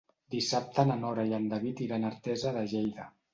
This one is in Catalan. Dissabte na Nora i en David iran a Artesa de Lleida.